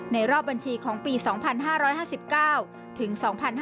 รอบบัญชีของปี๒๕๕๙ถึง๒๕๕๙